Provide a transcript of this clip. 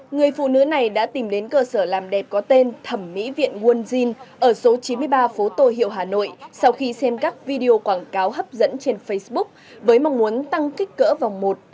người phụ nữ này đã tìm đến cơ sở làm đẹp có tên thẩm mỹ viện wood jean ở số chín mươi ba phố tô hiệu hà nội sau khi xem các video quảng cáo hấp dẫn trên facebook với mong muốn tăng kích cỡ vòng một